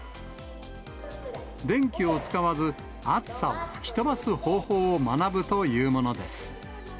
電気を使わず、暑さを吹き飛ばす方法を学ぶというものです。